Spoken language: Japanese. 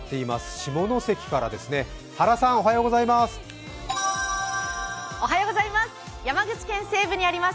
下関からですね、原さん、おはようございます。